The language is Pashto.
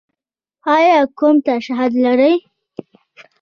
ایا کوم ترشحات لرئ؟